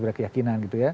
pada keyakinan gitu ya